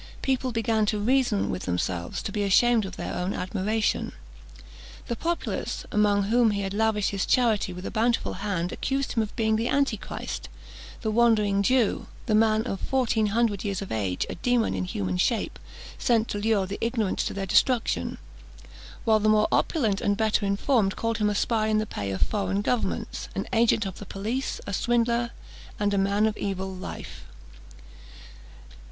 People began to reason with themselves, and to be ashamed of their own admiration. The populace, among whom he had lavished his charity with a bountiful hand, accused him of being the Antichrist, the Wandering Jew, the man of fourteen hundred years of age, a demon in human shape, sent to lure the ignorant to their destruction; while the more opulent and better informed called him a spy in the pay of foreign governments, an agent of the police, a swindler, and a man of evil life.